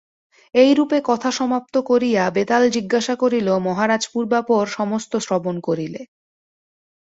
এই রূপে কথা সমাপ্ত করিয়া বেতাল জিজ্ঞাসা করিল মহারাজ পূর্বাপর সমস্ত শ্রবণ করিলে।